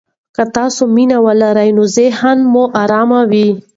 که تاسي مینه ولرئ، نو ذهن مو ارام وي.